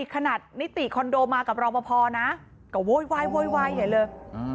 ขนาดนิติคอนโดมากับรอประพอนะก็โวยวายเห็นเลย